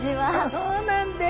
そうなんです。